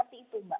seperti itu mbak